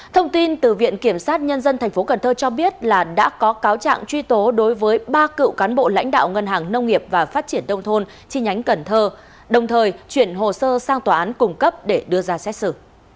thông tin từ viện kiểm sát nhân dân tp cần thơ cho biết là đã có cáo trạng truy tố đối với ba cựu cán bộ lãnh đạo ngân hàng nông nghiệp và phát triển đông thôn chi nhánh cần thơ đồng thời chuyển hồ sơ sang tòa án cung cấp để đưa ra xét xử